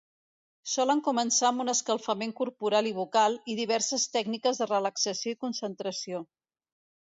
Solen començar amb un escalfament, corporal i vocal, i diverses tècniques de relaxació i concentració.